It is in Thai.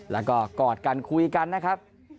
แล้วก็กอดกันคุยกันนะครับ